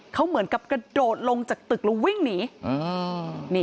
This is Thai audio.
เขาเหมือนกับกระโดดลงจากตึกแล้ววิ่งหนี